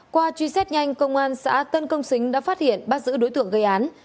qua truy xét nhanh công an xã tân công xính đã phát hiện bắt giữ đối tượng gây án